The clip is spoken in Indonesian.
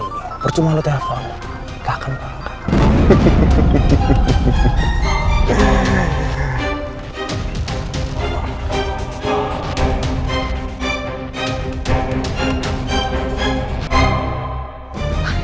nini percuma lu telfon gak akan diangkat